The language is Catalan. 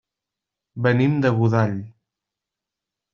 Venim de Godall.